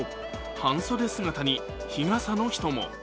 半袖姿に日傘の人も。